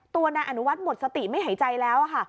ตัวนายอนุวัฒน์หมดสติไม่หายใจแล้วค่ะ